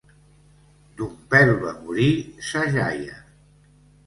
D'un pèl va morir sa jaia.